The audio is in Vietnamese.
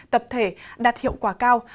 tập thể đạt hiệu quả cao